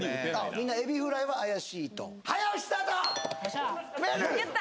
みんなエビフライは怪しいと早押しスタート！